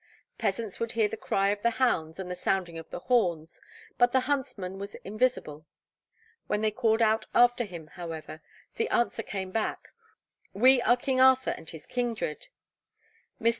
Peasants would hear the cry of the hounds and the sounding of the horns, but the huntsman was invisible. When they called out after him, however, the answer came back: 'We are King Arthur and his kindred.' Mr.